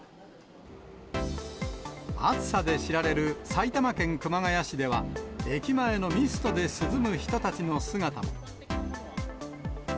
暑さで知られる埼玉県熊谷市では、駅前のミストで涼む人たちの姿も。